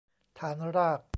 ฐานราก